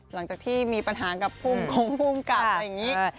หลังจากที่มีปัญหากับภูมิกับอย่างนี้